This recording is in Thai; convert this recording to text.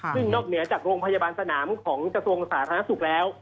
ซึ่งนอกเหนือจากโรงพยาบาลสนามของกระทรวงสาธารณสุขแล้ว